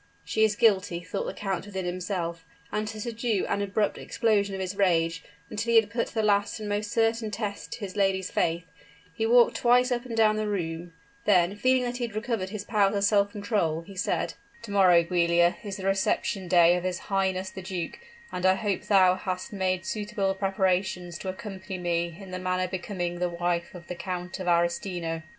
"She is guilty!" thought the count within himself; and to subdue an abrupt explosion of his rage, until he had put the last and most certain test to his lady's faith, he walked twice up and down the room; then, feeling that he had recovered his powers of self control, he said, "To morrow, Giulia, is the reception day of his highness the duke, and I hope thou hast made suitable preparations to accompany me in the manner becoming the wife of the Count of Arestino."